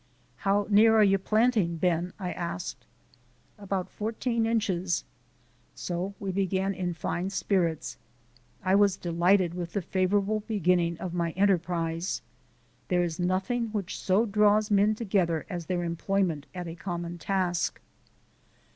"How near are you planting, Ben?" I asked. "About fourteen inches." So we began in fine spirits. I was delighted with the favourable beginning of my enterprise; there is nothing which so draws men together as their employment at a common task.